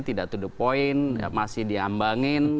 tidak to the point masih diambangin